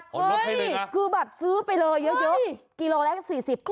เฮ้ยคือแบบซื้อไปเลยเยอะกิโลละ๔๐